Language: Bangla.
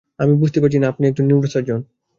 আমি বুঝতে পারছি আপনি একজন নিউরোসার্জন।